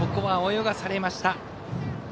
泳がされました。